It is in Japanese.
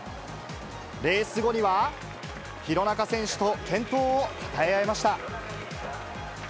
レース後には、廣中選手と健闘をたたえ合いました。